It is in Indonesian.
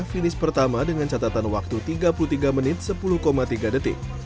finish pertama dengan catatan waktu tiga puluh tiga menit sepuluh tiga detik